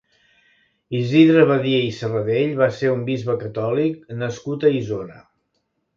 Isidre Badia i Serradell va ser un bisbe catòlic nascut a Isona.